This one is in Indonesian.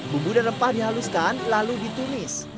bumbu dan rempah dihaluskan lalu ditumis